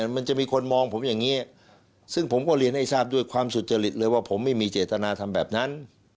มันจะมีคนมองผมอย่างนี้ซึ่งผมก็เรียนให้ทราบด้วยความสุจริตเลยว่าผมไม่มีเจตนาทำแบบนั้น